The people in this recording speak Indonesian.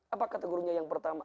apakah gurunya yang pertama